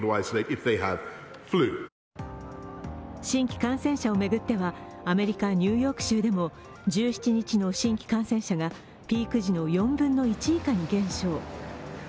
新規感染者を巡っては、アメリカ・ニューヨーク州でも１７日の新規感染者がピーク時の４分の１以下に減少。